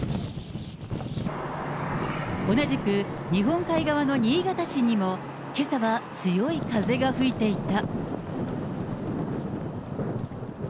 同じく日本海側の新潟市にも、けさは強い風が吹いていた。